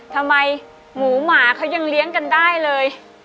ทำไมหมูหมาเขายังเลี้ยงกันได้เลย